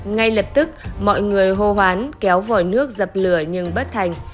ngay lập tức mọi người hô hoán kéo vòi nước dập lửa nhưng bất thành